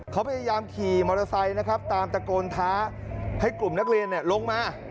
เขาพยายามขี่มอเตอร์ไซค์นะครับตามตะโกนท้าให้กลุ่มนักเรียนลงมา